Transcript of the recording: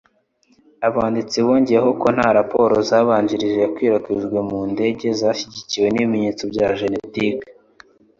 Abanditsi bongeyeho ko nta raporo zabanjirije iyakwirakwijwe mu ndege zashyigikiwe n'ibimenyetso bya genetike